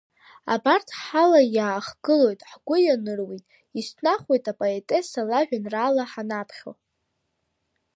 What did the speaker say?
Абарҭ ҳала иаахгылоит, ҳгәы ианыруеит, ишьҭнахуеит апоетесса лажәеинраала ҳанаԥхьо!